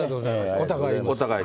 お互い。